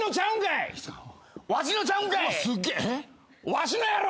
わしのやろ！